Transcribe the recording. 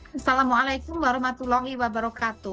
assalamualaikum warahmatullahi wabarakatuh